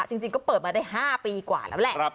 จริงก็เปิดมาได้๕ปีกว่าแล้วแหละ